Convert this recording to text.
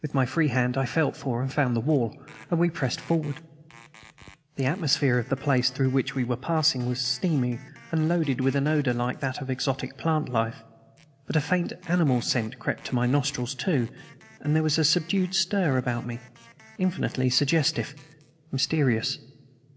With my free hand I felt for and found the wall, and we pressed forward. The atmosphere of the place through which we were passing was steamy, and loaded with an odor like that of exotic plant life. But a faint animal scent crept to my nostrils, too, and there was a subdued stir about me, infinitely suggestive mysterious.